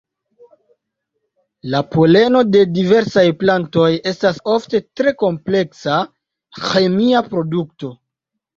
La poleno de diversaj plantoj estas ofte tre kompleksa "ĥemia produkto".